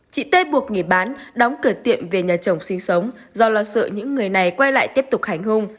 chị tê buộc nghỉ bán đóng cửa tiệm về nhà chồng sinh sống do lo sợ những người này quay lại tiếp tục hành hung